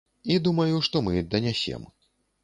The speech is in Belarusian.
І думаю, што мы данясем.